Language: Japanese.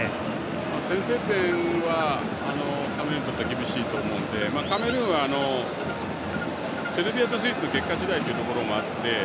先制点はカメルーンにとっては厳しいと思うのでカメルーンはセルビアとスイスの結果次第ということもあって。